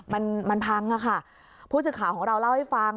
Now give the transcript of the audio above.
มันมันพังอ่ะค่ะผู้สื่อข่าวของเราเล่าให้ฟัง